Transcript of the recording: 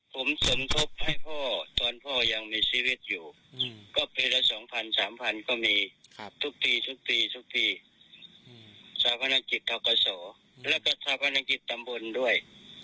ผมสมทบให้พ่อตอนพ่อยังมีชีวิตอยู่ก็เป็นละ๒๐๐๐๓๐๐๐ก็มีทุกปีทัพพนักกิจทักษอและก็ทัพพนักกิจตำบลด้วย